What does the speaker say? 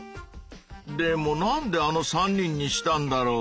でもなんであの３人にしたんだろう？